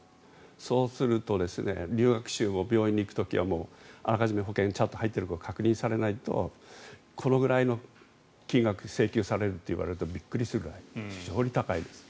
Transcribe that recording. そうすると留学志望の人は病院に行く時はあらかじめ保険にちゃんと入っているか確認されないとこのぐらいの金額を請求されるといわれるとびっくりするぐらい非常に高いです。